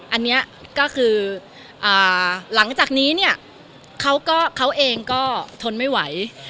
อันเนี้ยก็คืออ่าหลังจากนี้เนี้ยเขาก็เขาเองก็ทนไม่ไหว